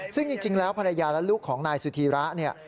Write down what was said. ซึ่งจริงแล้วภรรยาและลูกของนายสุธีระเนี่ย